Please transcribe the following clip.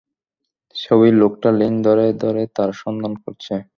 ছবির লোকটা লিঙ্ক ধরে, ধরে তোর সন্ধান করছে।